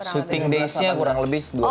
syuting daysnya kurang lebih dua mingguan lah